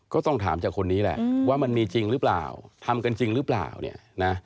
ก็ต้องถามจากคนนี้แหละว่ามันมีจริงหรือเปล่าทำกันจริงหรือเปล่าเนี่ยนะ